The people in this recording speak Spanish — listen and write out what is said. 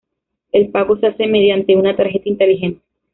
El pago se hace mediante una tarjeta inteligente.